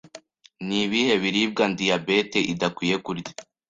Ni ibihe biribwa diyabete idakwiye kurya?